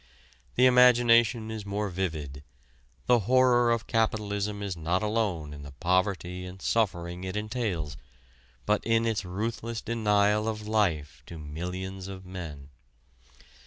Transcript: The imagination is more vivid: the horror of capitalism is not alone in the poverty and suffering it entails, but in its ruthless denial of life to millions of men.